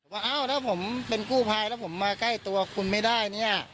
ว่าเอ้าแล้วผมเป็นกู้ไพรแล้วผมมาใกล้ตัวคุณไม่ได้